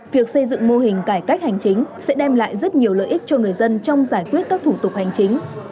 việc xây dựng mô hình cải cách hành chính sẽ đem lại rất nhiều lợi ích cho người dân trong giải quyết các thủ tục hành chính